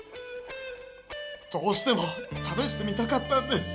どうしてもためしてみたかったんです。